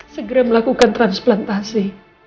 segera melakukan transplantasi